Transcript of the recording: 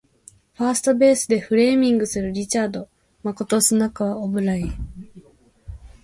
ファーストベースでフレーミングするリチャード誠砂川オブライエン